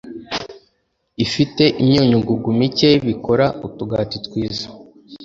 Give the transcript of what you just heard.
ifite imyunyu ngugu mike bikora utugati twiza